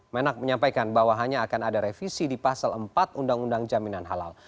menak menyampaikan bahwa hanya akan ada revisi di pasal empat undang undang jaminan halal